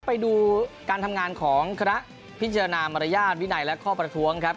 ไปดูการทำงานของคณะพิจารณามารยาทวินัยและข้อประท้วงครับ